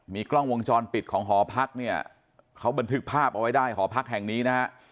กล้องวงจรปิดของหอพักเนี่ยเขาบันทึกภาพเอาไว้ได้หอพักแห่งนี้นะฮะ